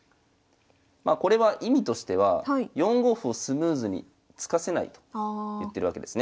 これは意味としては４五歩をスムーズに突かせないと言ってるわけですね。